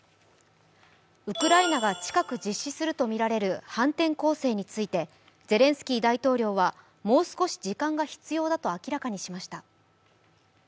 ウクライナが近く実施するとみられる反転攻勢についてゼレンスキー大統領は、もう少し時間が必要だと明らかにしました。